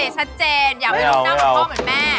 อ๋อชัดเจนอยากไปนั่งบนพ่อเหมือนแม่